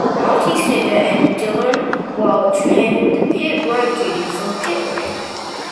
Marty Snider and Dillon Welch handled the pit road duties from pit lane.